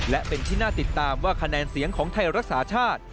และเป็นที่น่าติดตามว่าคะแนนเสียงของไทยรักษาชาติ